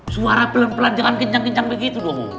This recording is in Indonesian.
suara pelan pelan jangan kencang kencang begitu dong